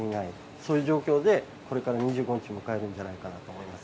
そういう状況でこれから２５日を迎えるんじゃないかと思います。